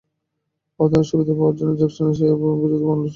অর্থনৈতিক সুবিধা পাওয়ার জন্য জ্যাকসন এস্টেটের বিরুদ্ধে মামলাও আমি করছি না।